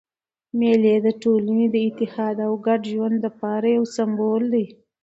مېلې د ټولني د اتحاد او ګډ ژوند له پاره یو سېمبول دئ.